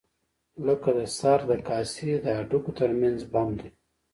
لکه د سر د کاسې د هډوکو تر منځ بند دی.